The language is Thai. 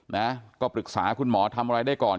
นะก็ปรึกษาคุณหมอทำอะไรได้ก่อน